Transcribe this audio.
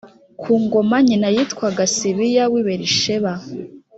ku ngoma nyina yitwaga sibiya w i berisheba